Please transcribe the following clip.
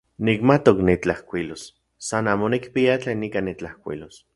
Nikmatok nitlajkuilos, san amo nikpia tlen ika nitlajkuilos.